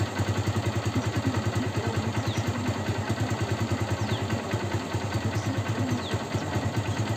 Posteriorment la unitat seria retirada a la riba contrària de l'Ebre per a ser reorganitzada.